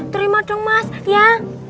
terima dong mas ya